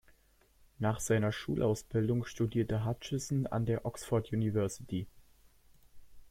Nach seiner Schulausbildung studierte Hutchison an der Oxford University.